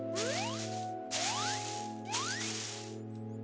えっ！